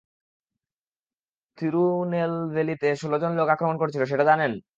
তিরুনেলভেলিতে, ষোলজন লোক আক্রমণ করেছিল সেটা জানেন?